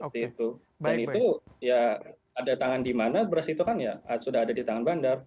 dan itu ya ada tangan di mana beras itu kan ya sudah ada di tangan bandar